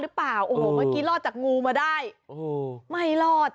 เฮ้ยเฮ้ยเฮ้ยเฮ้ยเฮ้ย